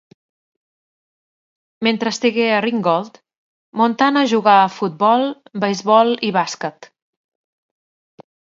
Mentre estigué a Ringgold, Montana jugà a futbol, beisbol i bàsquet.